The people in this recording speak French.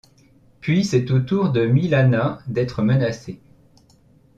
Puis, c’est au tour de Milana d’être menacée.